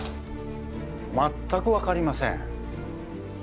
全くわかりません。